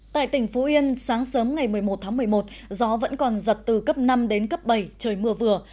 tại tỉnh phú yên sáng sớm ngày một mươi một tháng một mươi một gió vẫn còn giật từ cấp năm đến cấp bảy trời mưa vừa